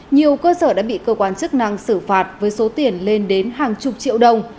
nhiều cơ sở đã bị cơ quan chức năng xử phạt với số tiền lên đến hàng chục triệu đồng